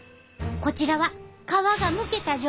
こちらは皮がむけた状態。